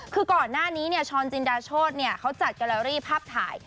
คือก่อนหน้านี้ช้อนจินดาโชธเขาจัดการแอรี่ภาพถ่าย